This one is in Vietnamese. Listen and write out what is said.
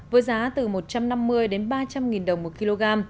với giá từ một trăm năm mươi đến ba trăm linh nghìn đồng một kg